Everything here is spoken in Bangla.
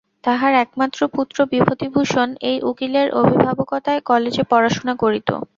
তাঁহার একমাত্র পুত্র বিভূতিভূষণ এই উকিলের অভিভাবকতায় কলেজে পড়াশুনা করিত।